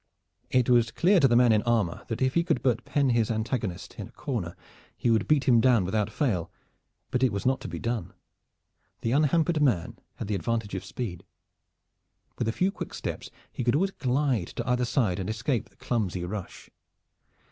It was clear to the man in armor that if he could but pen his antagonist in a corner he would beat him down without fail. But it was not to be done. The unhampered man had the advantage of speed. With a few quick steps he could always glide to either side and escape the clumsy rush.